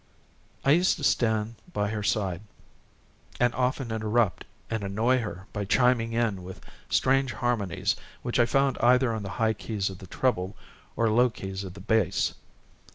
I used to stand by her side and often interrupt and annoy her by chiming in with strange harmonies which I found on either the high keys of the treble or the low keys of the bass.